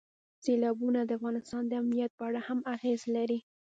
سیلابونه د افغانستان د امنیت په اړه هم اغېز لري.